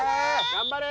頑張れ！